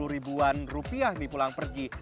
tiga puluh ribuan rupiah dipulang pergi